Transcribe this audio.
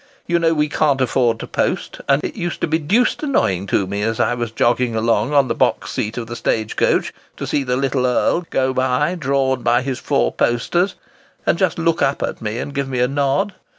You know we can't afford to post, and it used to be deuced annoying to me, as I was jogging along on the box seat of the stage coach, to see the little Earl go by drawn by his four posters, and just look up at me and give me a nod.